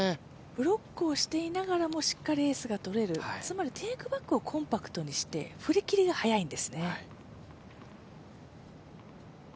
ブロックをしていながらも、しっかりエースが取れる、つまりテークバックをコンパクトにして、振り切りが速いんですね。